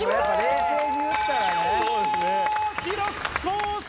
記録更新。